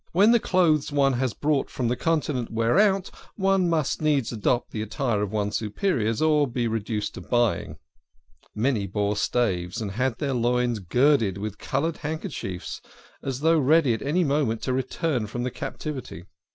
When the clothes one has brought from the Continent wear out, one must needs adopt the attire of one's superiors, or be reduced to buying. Many bore staves, and had their loins girded up with coloured handkerchiefs, as though ready at any moment to return from the Captivity.